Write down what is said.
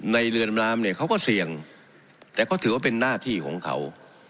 เรือนน้ำเนี่ยเขาก็เสี่ยงแต่ก็ถือว่าเป็นหน้าที่ของเขา